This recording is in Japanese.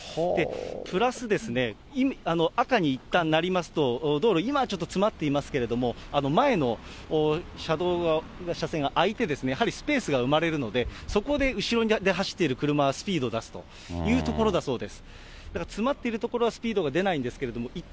プラスですね、赤にいったんなりますと、道路、今ちょっと詰まってますけれども、前の車線が開いて、やはりスペースが生まれるので、そこで後ろで走っている車はスピードを出すというところだそうです。